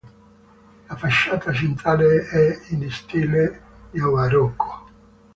La facciata centrale è in stile neobarocco.